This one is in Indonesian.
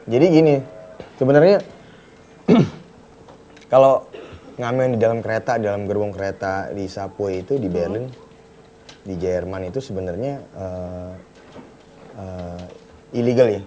jadi gini sebenernya kalau ngamen di dalam kereta dalam gerbong kereta di sapoy itu di berlin di jerman itu sebenernya illegal ya